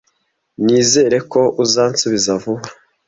Nizere ko uzansubiza vuba.